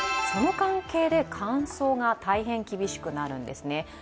その関係で乾燥が大変厳しくなるんですね。